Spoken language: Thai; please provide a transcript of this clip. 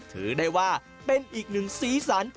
ถือได้ว่าเป็นอีกหนึ่งศีลสรรค์